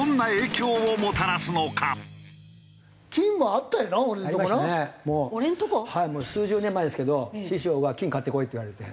はい数十年前ですけど師匠が「金買ってこい」って言われて。